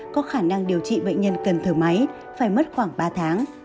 có khả năng điều trị bệnh nhân cần thở máy phải mất khoảng ba tháng